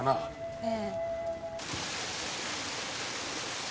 ええ。